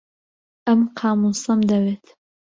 ئەم قامووسەم دەوێت.